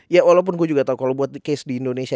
ya walaupun gue juga tau kalau buat case di indonesia